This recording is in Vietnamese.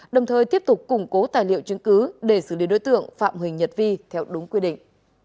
đồng thời tiếp tục củng cố tài liệu chứng cứ để xử lý đối tượng phạm huỳnh nhật vi theo đúng quy định